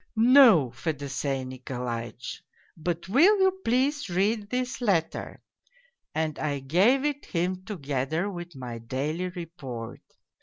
'' No, Fedosey Nikolaitch, but will you please read this letter,' and I gave it him together with my daily report.